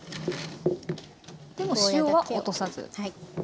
でも塩は落とさず。